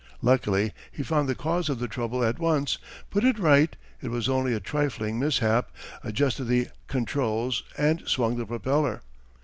Luckily he found the cause of the trouble at once, put it right, it was only a trifling mishap, adjusted the controls, and swung the propeller.